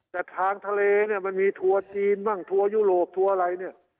แต่ทางทะเลเนี่ยมันมีทัวร์จีนบ้างทัวร์ยุโรปทัวร์อะไรเนี่ย